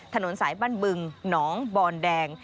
ถนนสายบ้านบึงหนองบอนแดง